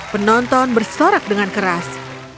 penonton bersorak dengan keras